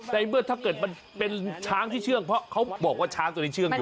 ในเมื่อถ้าเกิดมันเป็นช้างที่เชื่องเพราะเขาบอกว่าช้างตัวนี้เชื่องอยู่